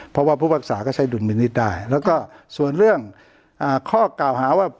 เพราะว่าผู้พักษาก็ใช้ดุลมินิษฐ์ได้แล้วก็ส่วนเรื่องข้อกล่าวหาว่า